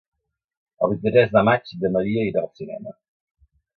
El vint-i-tres de maig na Maria irà al cinema.